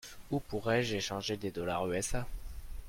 Où pourrais-je échanger des dollars USA .